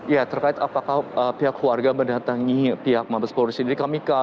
ya terkait apakah pihak warga mendatangi pihak mabespori sendiri